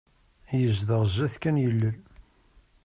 Yezdeɣ sdat kan yilel.